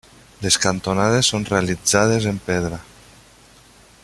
Les cantonades són realitzades en pedra.